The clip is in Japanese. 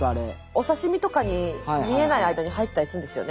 お刺身とかに見えない間に入ってたりするんですよね。